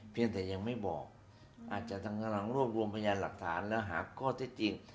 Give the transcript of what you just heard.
เพียงแต่ยังไม่บอกอาจจะกำลังรวบรวมพยานหลักฐานและหาข้อเท็จจริง